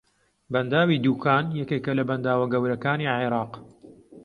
بەنداوی دووکان یەکێکە لە بەنداوە گەورەکانی عێراق